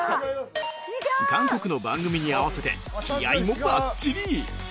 韓国の番組に合わせて気合もバッチリ！